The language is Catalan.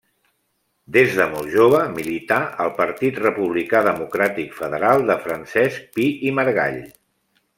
Des de molt jove milità al Partit Republicà Democràtic Federal de Francesc Pi i Margall.